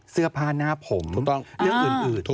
เสื้อผ้าหน้าผมเรื่องอื่น